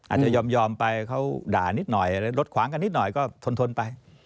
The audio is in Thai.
อาจจะยอมไปเขาด่านิดหน่อยรถขวางกันนิดหน่อยก็ทนไป